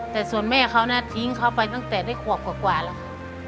แต่ส่วนแม่เขาน่ะทิ้งเขาไปตั้งแต่ได้ขวบกว่าแล้วค่ะ